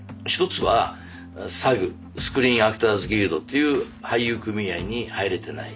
１つはＳＡＧスクリーンアクターズギルドという俳優組合に入れてない。